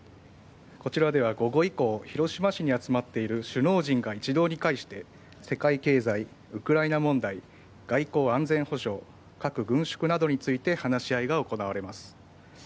こちらでは午後以降広島市に集まっている首脳陣が一堂に会して世界経済、ウクライナ問題外交・安全保障核軍縮などについて話し合いが行われます。